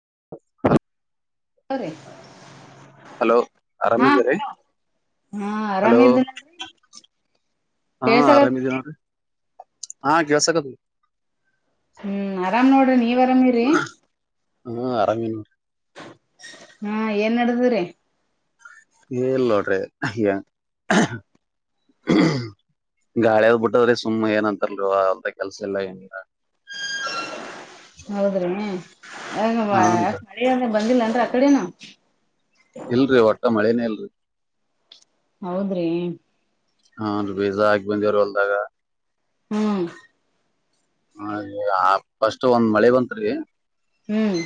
[unintelligible] Hello ರೀ [unintelligible] hello ಆರಾಮಾರೆ ಹಾ ಹಲೋ ಆರಾಮಿದ ನೋಡ್ರಿ ಹಾ ಆರಾಮ ಇದ್ಯಾವ್ ಕೇಳ್ಸಗದವ್ರಿ ನೋಡ್ರಿ ಹಾ, ಕೇಳಸಾಕತ್ತದ ಹ್ಮ್ ಆರಾಮ್ ನೋಡ್ರಿ ನೀವ್ ಅರಾಮಿರಿ ಹ್ಮ ಆರಾಮೇ ನೋ ಹೂ ಏನ್ ನಡದದರೀ ಏ ಲೋಟ್ರೆ [unintelligible] ಗಾಳಿಯದ್ ಬಿಟ್ಟದ್ರೀ ಸುಮ್ಮ್ ಏನಂತಲ್ ಅಂತ ಕೆಲ್ಸ ಇಲ್ಲ ಏನ ಇಲ್ಲಾ ಹೌದ್ರಿ ಯ ಹಾನ್ರಿ ಮಳೆಯ ಬಂದಿಲ್ಲನ್ ಆಕಡಿನು ಇಲ್ರರಿ ಒಟ್ಟ ಮಳೆನೇ ಇಲ್ರಿ ಹೌದ್ರೀ ಹಾ ಬೀಜಾ ಹಾಕಿ ಬಂದವ್ರಿ ಹೊಲ್ದಾಗ ಹ್ಮ್ ಹ ಆ ಫಸ್ಟ್ ಒಂದ್ ಮಳೆ ಬತ್ರಿ ಹ್ಮ್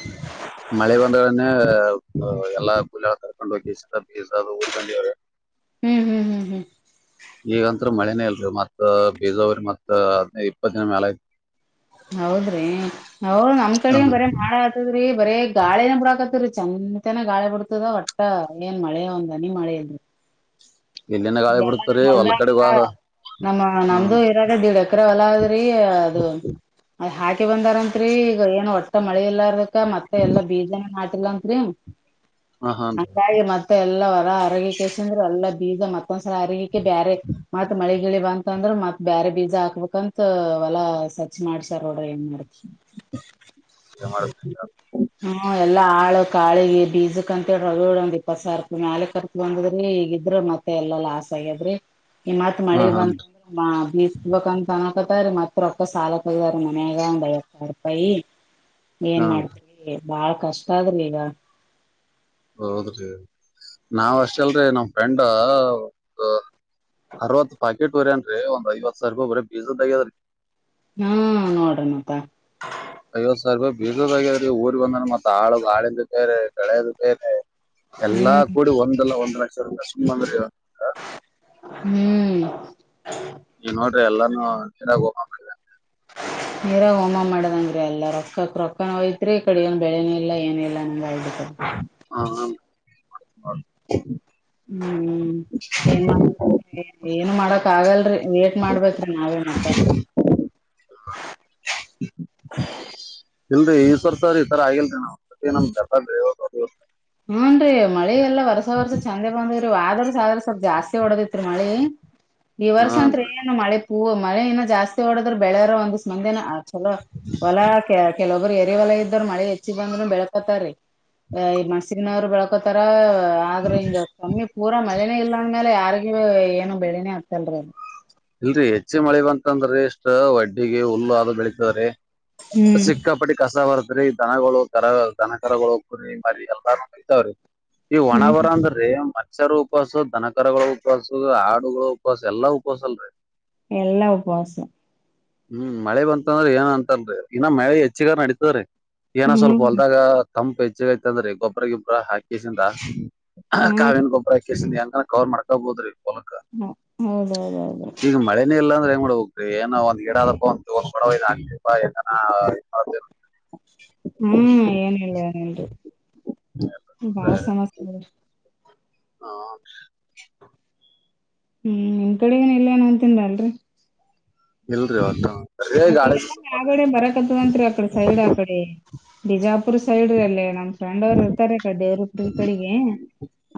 ಮಳೆ ಬಂದದನ ಎಲ್ಲಾ ಪುಲಿ ಕರ್ಕೊಂಡುಗ ಬ ಉಳ್ಕೊಂಡವ್ರೆ. ಹ್ಮ್ ಹ್ಮ್ ಹ್ಮ್ ಹ್ಮ್ ಈಗತರೂ ಮಳೆನೇ ಇಲ್ರರಿ ಮತ್ ಬೀಜಾವುರೀ ಮತ್ ಹದನೈದ ಇಪ್ಪತ್ತಿನ ಮ್ಯಾಲ ಆಯ್ತ ಹೌದ್ರಿ ಅವ್ರ ನಮ್ ಕಡೆ ಬರ ಮಾಡ ಆತದ್ರಿ ಬರೇ ಗಾಳಿನ ಬಿಡಾಕತರಿ ಚೆತೇನ ಗಾಳಿ ಬಿಡ್ತದ ಒಟ್ಟ ಏನ್ ಮಳೆ ಒಂದ ಹನೀ ಮಳೆ ಇಲ್ರೀ ಇಲ್ಲಿನ ಗಾಳಿ ಇಲೇ ಎಲ್ಲಾ ಬಿಡ್ತರಿ ನಮ್ ಹೋಲ್ ಹೊಲ್ ಕಡೆ ಬಾ ನಮ್ಮ ಹಾ ನಮ್ದು ಇರದ ದೀಡ್ ಎಕ್ರೆ ಹೊಲದ್ರಿ ಅದು ಹಾಕಿ ಬಂದಾರಂತ್ರಿ ಈಗ ಏನು ಒಟ್ಟ ಮಳಿ ಇಲ್ಲದ ಮತ್ತೆ ಎಲ್ಲಾ ಬೀಜನೂ ಲ್ಲತ್ರಿ ಹಾ ಹಂಗಾಗಿ ಮತ್ತೆ ಎಲ್ಲಾ ಹೊರ ಆರೋಗ್ಯ ಕೇಸಿಂದ ಅಂದ್ರ ಎಲ್ಲಾ ಬೀಜ ಮತ್ತೊಂದ್ಸಲ ಅರಿಕ್ಕೆ ಬ್ಯಾರೆ ಮತ್ತತ್ ಮಳೆ ಬಂತ ಅಂದ್ರ ಮತ್ ಬೇರೆ ಬೀಜ ಹಾಕ್ಬೇಕಂತ ಹೊಲಾ ಸ ಮಾಡ್ಸರ್ ಡ್ರ ಏನ್ ಮಾಡತಿ [unintelligible] ಹ್ಮ ಎಲ್ಲಾ ಆಳು ಕಾಳಿಗೆ ಬೀಜಕ್ ಅಂತೇಳಿವಿಡ ದಪಸ ಅರ್ಕ್ ಮ್ಯಾಲ ಕರ್ಕ ಬಂದದ್ರಿ ಈ ಗಿದ್ರರು ಮತ್ತೆ ಎಲ್ಲಾ ಲಾಸ್ ಆಗ್ಯದ್ರಿ ಈ ಮಾತು ಮಳೆ ಹಾ ಬಂತು [unintelligible] ತೀ ಮತ್ತೊಕ್ಕ ಸಾಲಕ್ಕೆಗದಾರ ಮನ್ಯಾಗಯಪೈ ಏನ್ ಮಾಡ್ತ ಹ್ಞೂನ್ರಿ ಬಾಳ್ ಕಷ್ಟ ಆದ್ರ ಈಗ ಹೌದ್ರಿ ನಾವ ಅಷ್ಟಲ್ರರಿ ನಮ್ ಫ್ರೆಂಡ ಅರವತ್ತು ಪ್ಯಾಕೆಟ್ ಊರೇನ್ರೀ ಒಂದ್ ಐವತ್ ಸಾವರ್ಗ ಒಬ್ರ ಬೀಜದ ತಗ್ಯದ್ರೀ ಹಾ ನೋಡಣಪ್ಪ ಐವತ್ ಸಾವಿರ ರೂಪಾಯಿ ಬೀಸೋದಗ್ಯೀ ಊರ್ ಬಂದ್ರ ಮತ್ ಆಳಗ್ ಹಾಳದ ತೇ ಬೆಳೆದೇರಿ ಎಲ್ಲಾ ಹ್ಮ್ ಕೂಡಿ ಒಂದಲ್ಲ ಒಂದ್ ಲಕ್ಷ ಸು ಅಂದ್ರ ಹ್ಮ್ ಈ ನೋಡ್ರಿ ಎಲ್ಲಾನೂ ಹರಾಗ ಹೋಗ್ ಹೋಗ್ತ ನೀರಾಗ ಹೋಮ ಮಾಡದಂಗ್ರೀ ಎಲ್ಲ ರೊಕ್ಕಕ್ ರೊಕ್ಕನ ಹಯತ್ರಿ ಕಡಗ ಬೆಳೆನ ಇಲ್ಲ ಏನ ಇಲ್ಲ ಅನ್ನ ಹಾ ಹ್ಮ್ ಏನ್ ಮಾಡ್ಬೇಕ ಏನ್ ಮಾಡಕ್ ಆಗಲ್ರಿ ಏಟ್ ಮಾಡ್ಬೇಕ್ರೀ ನಾವೇ ಮಾಸ ಇಲ್ರರಿ ಈ್ವರ್ ಸರ್ ಈ ತರ ಆಗಿಲ್ರಿ ನಾ ನಮ್ ಬೆತ ಹೂನ್ ರೀ ಮಳಿ ಎಲ್ಲಾ ವರ್ಸ ವರ್ಸ ಚಂದೆ ಬಂದೇರೀ ವಾದರ್ಸ ಆದ ಸ್ವಲ್ಪ್ ಜಾಸ್ತಿ ಹೊಡದಿತ್ರಿ ಮಳಿ ಈ ವರ್ಷ ಅಂತ್ ಹಾನ್ರಿ ಏನು ಮಳೆ ಹೂ ಮಳೆ ಇನ್ನು ಜಾಸ್ತಿ ಓಡದ್ರ ಬೆಳೆಯಾರ ಒಂದ ದಿವ್ ಮುಂದೆನ ಚಲೋ ಹೊಲ ಕೆ ಕೆಲೊಬ್ಬರು ಪರಿವಲ್ಲ ಇದ್ರ ಮಳೆ ಹೆಚ್ಚಿ ಬಂದ್ರರು ಬೆಳಳ್ಕತಾರ ಈ ಮಣಸಗನವ್ರು ಬೆಳ್ಕೋತಾರ ಆದ್ರೆ ಹಿಂಗ ಕಮ್ಮಿ ಪೂರ ಮಳನೇ ಇಲ್ಲಾಂದ್ಮೇಲೆ ಯಾರಿಗ ಏನು ಬೆಳನೇ ಆಗ್ತಲ್ರಿ ಅ ಇಲ್ರರಿ ಹೆಚ್ಚಿ ಮಳಿ ಬಂತಂದ್ರಿ ಇಷ್ಟ ವಡ್ಡಿಗೆ ಹುಲ್ಲು ಅದು ಬೆಳಿತವ್ರೀ ಹ್ಮ್ ಸಕ್ಕಪಟ್ಟಿ ಕಸ ವರ್ತ ಅ್ರ ಈ ದನಗಳು ಕರ ದನ ಕರಗಳು ಕುರಿ ಮರಿ ಎಲ್ಲ ಇತಾವ್ರಿ ಈ ಒಣ ಹ್ಮ್ ಬರ ಅಂದ್ರೆ ಮ ಅಕ್ಷರ ಉಪವಾಸ ದನಕರಗಳ ಉಪವಾಸ ಹಾಡುಗಳ ಉಪವಾಸ ಎಲ್ಲಾ ಉಪವಾಸಲ್ರರಿ ಎಲ್ಲಾ ಉಪವಾಸ ಹ್ಮ್ ಮಳೆ ಬಂತ ಅಂದ್ರ ಏನ್ ಅಂತನ್ರಿ ಇನ್ನ ಮಳೆ ಹೆಚ್ಚಿಗಾರ ನಡೀತದ್ರೀ ಏನ ಸ್ವಲ್ಪ ಹ್ಮ್ ಹೊಲ್ದಾಗ ಕಂಪ್ ಹೆಚ್ಚಗೈತ ಅಂದ್ರೆ ಗೊಬ್ಬ್ರ ಗೊಬ್ಬ್ರ ಹಾಕಿಸಿಂದ ಹ್ಮ್ ಕಾವನ್ ಗೊಬ್ಬರ ಕಸಿನಿ ಅಂಗ ಕವರ್ ಮಾಡ್ಕೊಬೋದ್ರಿ ಹ ಹೌದೌದೌದು ಈಗ ಮಳೆನೇ ಇಲ್ಲ ಅಂದ್ರೆ ಏನೋ ಒಂದ ಗಿಡ ಆದಪ್ಪ ಒಡಕಏ ಹ್ಮ್ ಏನಿಲ್ಲ ಏನಲ್ರಿ ಬಾಳ ಸಮಸ್ಯೆ ಇ ಹ ಹ್ಮ್ ನಿಮ ಕಡೆಗನ್ ಇಲ್ಲ ನ ಅಂತನ್ರ ಅಲ್ರರಿ ಇಲ್ರಿ ಆತ ಆಕಡೆ ಎಲ್ಲ ಆಗಡೆ ಬರಕತ್ಂರಿ ಆಕಡೆ ಸೈಡ್ ಆಕಡೆ ಬಿಜಾಪು ಪೂರ್ ಸೈಡ್ಲ್ಲಿೇ ನಮ್ಮ್ಫ್ರಂಡ್ ಅವ್ರು ಇರ್ತಾರೆ ಕಡ್ಡವರು ಕಡೆಗೆ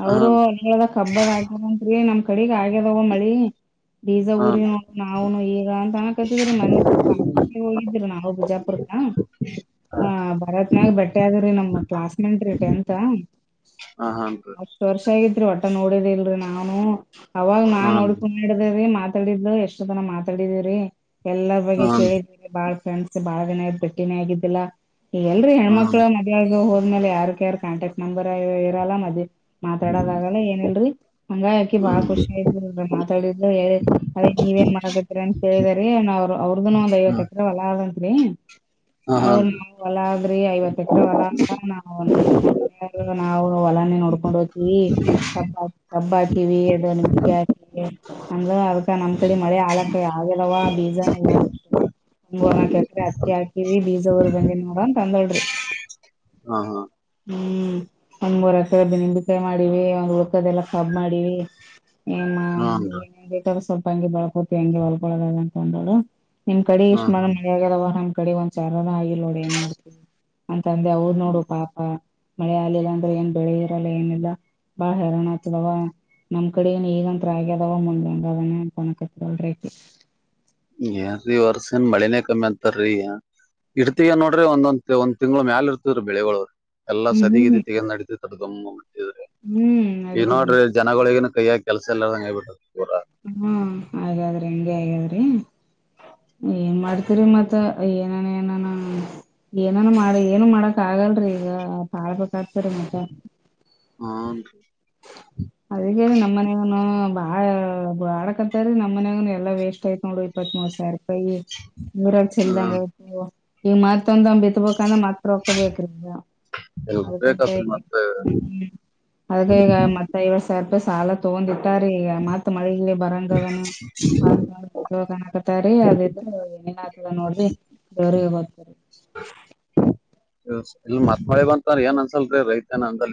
ಅವರು ಹಾನ್ ಹದ ಹಬ್ಬದ ಆಕಾರನ್ರಿ ನಮ ಕಡೆಗ ಆಗ್ಯದವ ಮಳಿ ಬೀಜ ಊರಿ ಹಾನ್ ನೋ ನಾವುನು ಈಗ ಅಂತ ಅನ ಕತಿದ್ರೀ ಮ ಬಾ ಒಳಿದ್ರು ನಾವೋ ಬಿಜಾಪುರ್ಕಾ ಹ ಭರತ್ನಾಗ ಬಟ್ಟೆ ಆದ್ರಿ ನಮ ಕ್ಲಾಸ್ ಮೇಂಟ್ ರೀ ಟೆಂತ್ ಹಾನ್ ಹಷ್ಟ ವರ್ಷ ಆಗ ಒಟ್ಟ ನೋಡಿದಿ ಇಲ್ರರಿ ನಾ ಅವಾಗ ನಾನ್ ಹಾನ್ ನೋಡ್ಕಡಿದ್ರೀ ಮತ್ತ ತಾಡಿದ್ರು ಎಷ್ಟ ತನ ಮಾತಾಡಿದೀವ್ರೀ ಎಲ್ಲ ಹಾನ್ ಕೇಳಿದಿ ಬಾಳ್ ಫ್ರೆಂಡ್ಸ್ ಬಾಳ ದಿನ ಇದ ಭ ಬೆಟ್ಟಿನ ಆಗಿದ್ದಿಲ್ಲಾ ಈಗಲ್ಲಲ್ರಿ ಹಾನ್ ಹೆಣ್ಮಕ್ಳ ಮದ್ಳ ಹ ಇಲೆ ಯಾರ್ ಯಾರ ಕಾಂಟ್ಯಾಕ್ಟ್ ನಂಬರ್ ಇರಲ್ಲ ಮದೆ ಮಾತಾಡೋದಾಗಲ್ಲ ಏನಲ್ರರಿ ಹಂಗಾಯ ಅಕ್ಕಿ ಬಾಳ ಹ್ಮ್ ಖುಷಿಐಲ್ ಮಾತಾಡಿದ್ ನೀವ ಏನ್ ಮಾಡಕತಿರಿ ಅಂತ ಕೇಳಿದ್ರರಿ ನ ಅವ್ರ ಅವ್ರದನು ಒಂದ್ ಐವತ್ತು ಹ್ಮ್ ಎಕರ ಒಲ ಆದದಂತ್ರಿ ಹಾನ್ ಅವ್ರ ಹಾನ್ ನಾವವು ಹೊಲ ಆದ್ರಿ ಐವತ್ ಎಕ್ರ ಹೊಲ ಆದ ನ ನ ಹೊಲಾನೆ ನೋಡ್ಕೊಂಡ್ ಹೋಗತೀವಿ ಕಬ್ ಕಬ್ಬ ಹಾಕಿವ ಅದು ನಿಂಬಿಕೆ ಹಾಕ ಅಂದ್ರ ಅದಕ ನಮ್ ಕಡೆ ಮಳೆ ಆಳಕ್ಕ ಆಗಲ್ವಾ ಬೀಜ ಹೂ ಒೂರ್ನಾ ಕತ್ರಿ ಅಕ್ಕಿ ಹಾಕಿದಿ ಬೀಜ ಊರ್ ಬಂದಿ ನೋಡನ್ ಅಂದಳ್ರಿ ಹಾ ಹಾ ಹ್ಮ್ ಒಂದ್ ಮೂರು ಅಕ್ಷರ ನಿಂಬಿಕಾಯಿ ಮಾಡಿವಿ ಒಂದ್ ಉಳ್ಕದೆಲ್ಲ ಕಾಬ್ ಮಾಡೀವಿ ಹ್ಮ್ ಏತ ಸ್ವಲ್ಪ ಹಂಗೆ ಬೆಳ್ಕೋತಿ ಹಂಗೆ ಹೊಲ್ಕೊಳದ ಅಂತಕೊಂಡೋಡು ನಿಮ್ ಕಡೆ ಇಷ್ಟ ಮ ಹ್ಮ ಮಾಡ ಮಳ ಆಗದವ ನಿಮ್ ಕಡೆ ಒಂದ್ರ ಆಗಿಲ್ ನೋಡಿ ಏನ್ ಮಾಡ್ತವಿ ತಂದೆ ಅವರು ನೋಡು ಪಾಪ ಮಳೆ ಆಲಿಲ್ಲಂದ್ರರು ಏನ್ ಬೆಳಿ ಇರಲ್ಲ ಏನಿಲ್ಲ ಬಾಳ ಹರಾಣ ಆತದವ ನಮ್ ಕಡೆನು ಈಗಂತ ಆಗ ಅದಾವ ಮುಂದಂಗ ಅದಾನೆ ಕನಕತ್ಲ್ ಏನ್ ವರ್ಷನ್ ಮಳನೇ ಕಮ್ಮಿ ಅಂತಾರೀ ಇಡ್ತ ನೋಡ್ರಿ ಒಂದೊಂದ ಒಂದ್ ತಿಂಗಳುಳ ಮ್ಯಾಲ ಇರ್ತದೀ ಬೆಳೆಗಳ ಎಲ್ಲಾ ಸದಗಿ ಹ್ಮ್ ತೆಗ ನಡತ ಮುಟ್ಟಿದ್ರೆ ಹ್ಮ್ ಈ ನಡೀತದ ನೋಡ್ರಿ ಜನಗಳಿಗನು ಕೈ ಹಾಕ ಕೆಲಸ ಎಲ್ಲ ಸಂಗ್ ಬಿಟ್ಟು ಹಾ ಹಾಗಾದ್ರಿ ಹಂಗೆ ಹಾಗಾದ್ರಿ ಏನ್ ಮಾಡ್ತರಿ ಮತ್ತ ಏನಾನ ಏನಾನ ಏನನು ಮಾಡ ಏನು ಮಾಡಕ್ ಆಗಲ್ರರಿ ಈಗ ಪಾಳಪಕ್ಕ ಕತರ ಮಾದ ಹ್ಮ್ ಅದಗ ನಮ್ಮನ ನು ಹ ಬಾಳ ಬಾಳಕಂತ ರೀ ನಮ್ಮ ಮನ್ಯಾಗ ಎಲ್ಲಾ ವೇಸ್ಟ್ ಯತ್ ನೋಡು ಇಪ್ಪತ್ ಮೂರ್ ಸಿ ಯ ಊರಲ್ ಹ್ಮ್ ಚಲ್ದಂಗತ ಈಗ ಮತ್ತ ಒಂದ ಬಿತ್ಬೇಕಂದ್ರ ಮತ್ತ ಅಪೊಕ್ಕ ಬೇಕ್ರೀಗ ಅದಕಂತ್ಮ ಇರ್ಬೇಕತ್ರಿ ಮತ್ತ ಅದ ಈಗ ಮತ್ತ ಐವಡ್ ಸಾವಿರ ರೂಪಾಯಿ ಸಾಲ ತಗೊಂಡಿಟ್ಟ ರ ಈಗ ಮಾತ್ ಮಳೇ ಬರಂಗದನ ಸೋಕನ್ ಹಕತಾರ ಅದಿದ್ರ ಏನನ್ ಆತದ ನೋಡ್ರಿ ಜೋರಿಗೆ ಹೋಗ್ತರಿ ಹ್ಮ ಇ ಮತ್ ಮಳೆ ಬಂತ್ರ ಏನ್ ಅನ್ಸಲ್ರಿ ರೈತ ಏನ್ ಅಂದ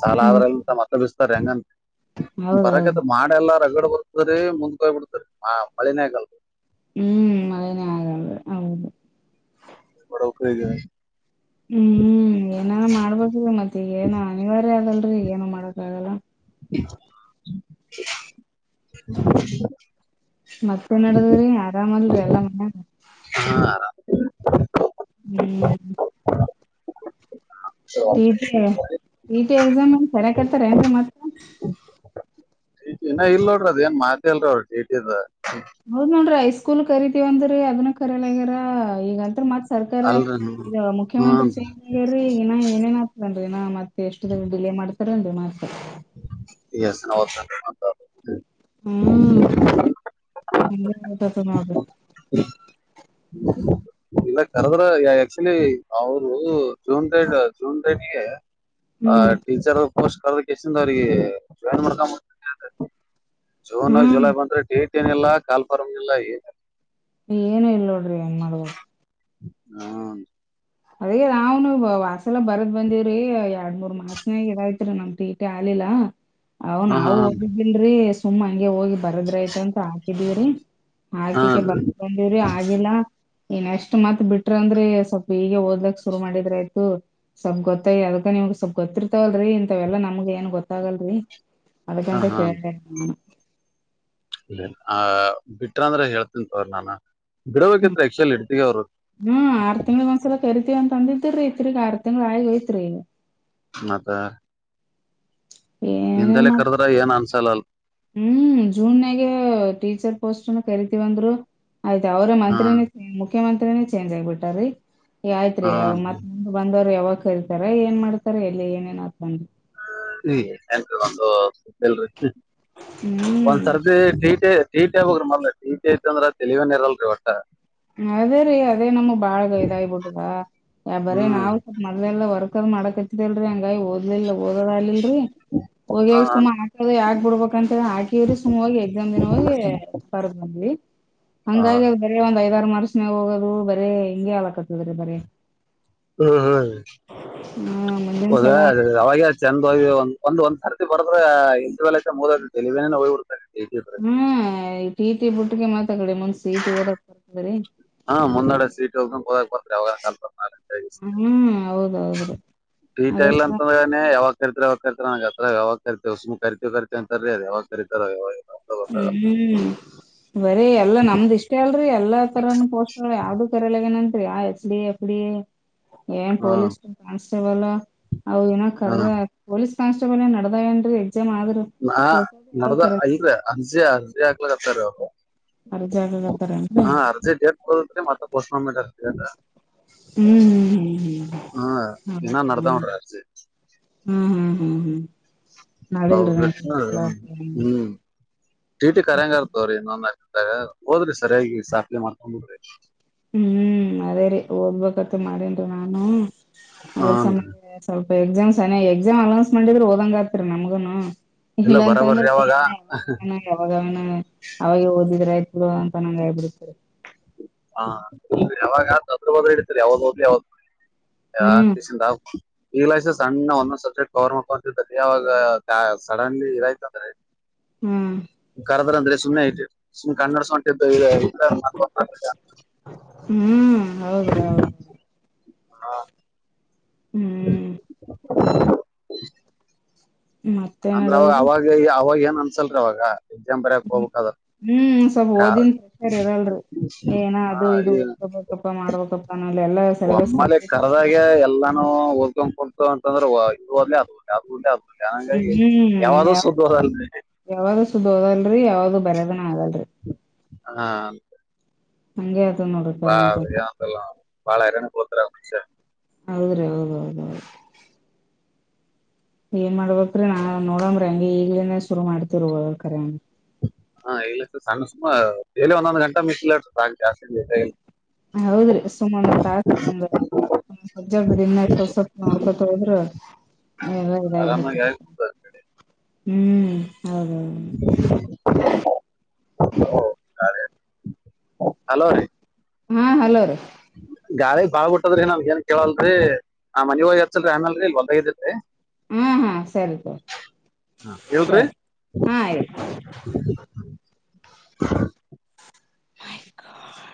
ಸಾಲ ಹ್ಮ್ ಆದ್ರ ಮತ್ತ ಬಿಸ ಗನ್ ಹೌದೌದು ಬರಗದ ಮಾಡೆಲ್ಲ ಪ್ರಗಡೆ ಬರ್ತದ್ರೀ ಮುಂದ್ಕೋಗ್ ಬಿಡ್ತರಿ ಹ ಮಳಿನೇಗಾಲಲ್ ಹ್ಮ್ ಮಳನೇ ಆಗೆ ಹೌದು ಬರ ಉ ಕಗ ಹ್ಮ್ ಏನಾನ ಮಾಡ್ಬೇಕ ಮತ್ತೆ ಈಗಏನ ಅನಿವಾರ್ಯ ಅದಲ್ ಏನು ಮಾಡಕ್ಕ ಆಗಲ್ಲ [unintelligible] [inaudible] [unintelligible] ಮತ್ತೆ ನಡದ್ರಿ ಆರಾಮಲ್ರಿ ಎಲ್ಲಾ ಮನ ಹ ಹ್ಮ್ ಟಿ ಟಿ ಹ ಟಿ ಎಕ್ಸಾಮ್ ಎ ಸರಿಯಕರ್ತಾರ ಏನ್ರ ಮತ್ರ ಇಏ ಇಲ್ಲ ನೋಡ್ರ ಅದ ಏನ್ ಮಾತತಿ ಅಲ್ರ ಅವ್ರ ಚೇಟಿದ ನೋದ ನೋಡ್ರಿ ಐಸ್ಕೂಲ್ ಕರಿತೀವಂದ್ರರಿ ಅದನ ಕರಯಲ್ ಆಗ್ಯಾರ ಈಗಂತ ಮತ್ ಸರ್ಕಾರ ಅಲ್ರಿ ಇ ಮುಖ್ಯಮಂತ್ರಿ ಹ್ಮ್ ಚೀ ಇನ್ನ ಏನೇನ್ ಆಗ್ತದನ್ರಿ ಇನ ಮತ್ತೆ ಎಷ್ಟು ಡಿಲೇ ಮಾಡ್ತಾರ ಅಮಾಡ್ಸ ಎ ಹ್ಮ ಅ ಸತನಾಭ ಇಲ್ಲ ಕರೆದ್ರ ಆಕ್ಚುಲಿ ಅವರು ಜೂನ್ ದೇಡ್ ಜೂನ್ ದೇಡ್ಗೆ ಆ ಹ್ಮ್ ಟೀಚರ್ ಪೋಸ್ಟ್ ಕದಕ್ಕೆ ಎಷ್ಟಿಂದ ಅವ್ರಿಗೆ ಜಾಯಿನ್ ಮಾಡ್ಕ ಜೂನ್ ಹ್ಮ್ ಜುಲೈ ಬಂದ್ರೆ ಡೇಟ್ ಏನಿಲ್ಲ ಕಾಲ್ಫಾರಮ್ನಿಲ್ಲ ಏ ಏನು ಇಲ್ ನೋಡ್ರಿ ಏನ್ ಮಾಡಬೇಕ ಹ್ಮ ಅದೇ ನಾವ್ನು ವಾಸೆಲ್ಲ ಬರದ್ ಬಂದಿವವ್ರಿ ಎರಡ್ ಮೂರ್ ಮಾನಾಗ ನಮ್ದೀಟಿ ಆಲಿಲ್ಲ ಅವ್ ಹಾ ಹಾ ನಾವು ಓದಿದ್ದಲ್ರರಿ ಸುಮ್ಮ ಹಂಗೆ ಹೋಗಿ ಬರದ್ರ ಆಐತಂತ ಹಾಕಿದೀವ್ರರಿ ಹಾ ಹಾಕಿಕ ಬ ಬಂದವ್ರಿ ಆಗಿಲ್ಲಾ ಇನ್ ಎಷ್ಟ್ ಮತ್ ಬಿಟ್ರ ಅಂದ್ರೆ ಸ್ವಲ್ಪ ಈಗ ಓದ್ಕ್ ಶುರು ಮಾಡಿದ್ರ ಆಯತು ಸ್ವಲ್ಪ್ ಗೊತ್ತಾಯ ಅದ್ಕ್ಕ ನಿವ್ಗ್ ಸ್ವಲ್ ಗೊತ್ತರ್ತವಲ್ರರಿ ಇಂತವೆಲ್ಲಾ ನಮ್ಗೆ ಏನ್ ಗೊತ್ತಾಗಲ್ರಿ ಹಾ ಅದಕ್ಕಂತ ಕೇಳ್ತ ಇಲ್ಲ ಆ ಬಿಟ್ರ ಅಂದ್ರ ಹೇಳ್ತನ್ ತವ್ರ ನಾನ ಹ್ಮ್ ಬಿಡಬೇಕತ್ ಆಕ್ಚುಲ್ ಇಡ್ತಗ ಅವ್ರ ಕರಿತೀವ ಅಂತಂದಿದ್ರೀ ಇ್ರ ಕಾರ್ ತಿಂಗ್ ಆಿ ಹೋಯತ್ರಿೀ ಇಲ್ಲ ಮಂತ ಹಿಂದಲೆೇ ಏನೇನ್ ಕರ್ದ್ರ ಏನ್ ಅನ್ಸಲ್ಲಲ್ ಹ್ಮ್ ಜೂನ್ಗ ಟೀಚರ್ ಪೋಸ್ಟ್ ಕರಿತಿವಂದರು ಆಯ್ತಾ ಅವ್ರ ಹಾ ಮಂತ್ರಿನೇ ಮುಖ್ಯಮಂತ್ರಿನೇ ಚೇಂಜ್ ಆಗ್ಬಿಟ್ಟಾರ್ರೀ ಆಯ್ತ್ರಿ ಹಾ ಮತ್ಂದ್ ಬಂದವ್ರು ಯಾವಾಗ ಕರಿತಾರ ಏನ್ ಮಾಡ್ತಾರ ಎಲ್ಲಿ ಏನೇನತ್ಕೊಂಡ್ರಿ ಹ ಒಂದುಲ್ರಿ ಹ್ಮ್ ಒಂದಸರ್ ರೂಪಿ ಟ ಟಿಟಿ ಹೋಗ್ರಿ ಮ ಟ ಟ ಐತೆ ಅಂದ್ರೆಲವೇನ್ ಇರಲ್ರರಿ ಒಟ್ಟ ಅದೇ ರೀ ಅದೇ ನಮ್ ಬಾಳ್ ಇದಾಯ್ಬಿಟ್ಟದ ಯ ಬರೇ ಹ್ಮ್ ನಾವವು ಸ್ವಲ್ ಮೊದ್ಲೆಲ್ಲ ವರ್ಕ್ ಅ ಮಾಡಕ್ ಹತ್ತಿದಲ್ರರಿ ಹಂಗ ಓದ್ಲಿಲ್ಲ ಓದ್ ಆಲಿಲ್ರರಿ ಹಾ, ಹೋಗಿಾಗ ಸುಮ್ ಹಾಕದ ಯಾಕ್ ಬಿಡ್ಬಬೇಕ ಅಂತೇಳ ಹಾಕವ್ರಿ ಸುಮ್ ಹೋಗಿ ಎಕ್ಸಾಮ್ ದಿನ ಹೋಗಿ ಬರ್ದ ಬಂದ್ವಿ ಹಾ. ಹಂಗಾಗಿ ಬರ ಒಂದ್ ಐದ ಮರುಸ ಮ ಹೋಗೋದು ಬರೇ ಹಿಂಗೆ ಹಾಲಕತ್ತದ್ರೆ ಬರ ಹ್ಮ ಹ್ಮ ಹಾ ಮುಂದಿನ ಹೌದಾ ಸಲ ಅದ ಅವಾಗೆ ಚೆಂದ ಒಂದ್ ಒಂದ ಸರ್ದಿ ಬರದ್ರೆ ಇಂತ ವೇಳಲ ಮುದೆಲವೇನೇ ಹೋಗ್ಬಡ್ತದೆ ಹ್ಮಟೀಟಿ ಬಿುಟ್ಗೆ ಮಾತಾಕಡಿ ಮುನ್ಸ ಇಟಿ ಓದಕ್ರ್ದರಿ ಹಾ ಮುಂದ್ಡೆ ಸೀಟ್ ಹೋಗ ಹದ ಅವಾಗಲ್ ಹ್ಮ್ ಹೌದೌದ್ರಿ ಅದ್ರ ಟೈಲ್ ಅಂತ ಯಾವ ಕರಿತಾವಾಗ ಕರ್ತ ನನಗೆ ಹತ್ರ ಯಾವಾಗ ಕರ್ತಿ ಉಸಮ ಕರಿ ಕರಿತತಿ ಅಂತರರಿ ಅದ ಯಾವಾಗ ಕರಿತಾರ ಯಾವ ಹ್ಮ್ ಬರೀ ಎಲ್ಲಾ ನಮ್ದ್ ಇಷ್ಟ ಅಲ್ರಿ ಎಲ್ಲಾ ತರನ ಪೋಸ್ ಯಾವ್ದು ಕರಲಗನಂರಿ ಯ ಎಚ್ ಡಿ ಎಫ ಏನ್ ಹ್ಮ್ ಪೋಲೀಸ್ ಕ ಲ್ ಅ ಏನ ಕರ ಹ್ಮ್ ಪೊಲೀಸ್ ಕಾನ್ಟೇಬಲ್ ಏನ್ ನಡದಾವೇಏನ್ರೀ ಮಾದ್ರ ನಾ ಪ್ರಸ ಯ ನಡ್ದ ಕ ಇಲ್ರಿ ಅರ್ಜಿ ಅರ್ಜಿ ಆಗ್ಲಾಗತಾರೆ ಅರ್ಜಿ ಹಾಕಕತ್ತಾರೇನ್ರಿ ಹಾ ಅರ್ಜಿ ಡೇಟ್ ಬರಿ ಮತ್ತ ಪೋಸ್ಟ್ ಫೋನ್ ಮಾಡಿ ಡೇಟ್ ಆಗ್ತ ಹ್ಮ್ ಹ್ಮ್ ಹಾ ಹ್ಮ್ ಹ್ಮ್ ಹ್ಮ್ ಏನ್ನ ಹೌದಾ ನತ್ರ ಹ್ಮ್ ಹ್ಮ್ ಹ್ಮ್ ಹ್ಮ್ ಹೌ ಮಾಡಿಲ್ರಿ ನಾನ್ ಚಲೋ ಹ್ಮ್ ಚಟಿಟಿ ಕರಂಗರ್ತವ್ರಿ ಇನ್ನೊಂದ ಹೋದ್ರಿ ಸರಿಯಾಗಿ ಸಾಪ್ಲೆ ಮಾಡ್ಕೊಂಡ್ ಬಿಡ್ರಿ ಹ್ಮ್ ಅದೇ ರರಿ ಓದ್ಬೇಕತ್ ಮಾಡನ್ರಿ ನಾನು ಅದ್ರ ಹಾನ್ರಿ ಸಮಯ ಸ್ವಲ್ಪ ಎಕ್ಸಾಮ್ನ ಎಕ್ಸಾಮ್ ಅನೌನ್ಸ್ ಮಾಡಿದ್ರ ಹಓದಂಗ ಆತ್ರಿ ನಮ್ಗನು ಇಲ್ಲ ಅಂತಂದ್ರೆ ಬರಬರ್ರಿ ಅವಾಗ ಇಲ್ಲ ಯಾವಾಗಣ ಯಾವಾಗಗಣ ಅವಾಗ ಓದಿದ್ರ ಆಯ್ತು ಇ ಅಂತನಾಯ ಬಿಡತಾರೆ ಹ ಯಾವಾಗ ಅದ್ರ ಬದ್ರ ಇಡಿತರಿ ಯಾವ್ದ್ ಓದ್ಲಿ ಹ್ಮ್ ಯಾವ್ದ್ಂತ ಆು ಇಂಗ್ಲಷ್ ಸಣ್ಣ ಒಂದೊಂದ್ ಸಬ್ಜೆಕ್ಟ್ ಕವರ್ ಮಾಡ್ಕೊಂತಲ್ಲಿ ಯವಾಗ ಸಡನ್ಲಿ ಇದಾಯ್ತಂದ್ರೆ ಹ್ಮ್ ಕರದ್ರ ಅಂದ್ರೆ ಸುಮ್ನೆ ಆಯ್ತು ಕನ್ನಡ ಸಂಟ ಹ್ಮ್ ಹೌದ್ರಿ ಹೌದ ಹಾ ಹ್ಮ್ ಅಂದ್ರ ಅವ ಮತ್ತೇನಡದ್ರಿ ಅವಾಗ ಅವಾಗ ಏನ್ ಅನ್ಸಲ್ರಿ ಅವಾಗ ಎಕ್ಸಾಮ್ ಬರಯಕ್ ಹೋಗ್ಕ್ ಅದ್ರ ಹ್ಮ್ ಸ್ವಲ್ಪ ಓದಿ ಫ್ರೆಷರ್ ಇರಲ್ರರಿ ಏನ ಹಾ ಅದು ಇದು ಡ್ಕೋಬೇಕಪ್ಪ ಮಾಡ್ಬೇಕಪ್ಪ ಒಮ್ಮಾಲ ಕರ್ದಾಗ ಎಲ್ಲಾನು ಉಕ್ ಕೊಡ್ತ ಅಂತಂದ್ರ ಇದು ಅಲ್ಲೇ ಅದು ಯೇ ಅದು ಓದ್ಲೆ ಹಂಗಾಗಿ ಹ್ಮ್ಮ್ ಯಾವ್ದು ಯಾವ ಸುದ್ದ ಓದಲ್ರಿ ಯಾವ ಸುದ ಹೋದಲ್ರರಿ ಯಾವ ಬರದನ ಆಗಲ್ರಿ ಹಾ ಹಂಗ ಬಾಂತಲ್ಲ ಬಾಳ ಇರ ಕೊತರಷ ಹೌದ್ರ ಹೌದು ಅೌದುೌದು ಏನ್ ಮಾಡ್ಬೇಕ್ರೀ ನಾ ನೋಡಂಗ್ರಿ ಹಂಗಿ ಈಗ್ಲನ ಶುರು ಮಾಡ್ತಿವ ಹೋದ ಕರಂಗ ಹಾ ಇಲ್ಲ ಸರ್ ಸಣ್ಣ ಸುಮ ಎಲ್ಲಿ ಒಂದೊಂದ್ ಗಂಟ ಮಿಸ್ಲರ್ ಜಾಸ್ತಿ ಹೌದ್ರಿ ಸುಮನ್ ಒ ತ ಸುಂದು ಹ ಜಡ್ ದಿನ ಸ್ವಲ್ ಸ್ವಲ್ಪ ನೋಡ್ಕೊತ ಹೋದ್ರ ಎಲ್ಲ ಇದ ಆರಾಮಾಗಿ ಆಯ್ತು ಹ್ಮ್ ಹೌದೌ ಹಲೋ ರೀ ಹಾ ಹಲೋ ರೀ ಗಾಳ ಬಾಬಿಟ್ಟದ್ರಿ ನಮ್ ಏನ್ ಕೇಳಲ್ರಿ ಆ ಮನ ಹ ಹತ್ತ್ರರಿ ಆಮೇಲ್ರಿ ಇ ಒಂದ ಇದ್ರರಿ ಹಾ ಹಾ ಸರಿಪ ಇಲ್ರಿ ಸರಿ ಹಾ ಆಯ್ತು ಹ